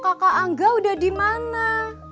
kakak angga udah dimana